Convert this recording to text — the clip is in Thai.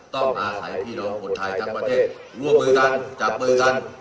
ต้องอาศัยพี่น้องคนไทยทั้งประเทศร่วมมือกันจับมือกัน